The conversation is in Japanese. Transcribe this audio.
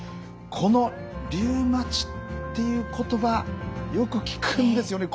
このリウマチっていう言葉よく聞くんですよね。